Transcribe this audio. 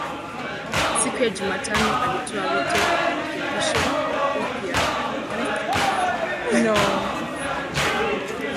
siku ya Jumatano alitoa wito wa kurekebishwa upya kwa kikosi cha kulinda amani cha Umoja wa